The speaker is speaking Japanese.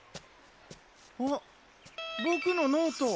あっボクのノート。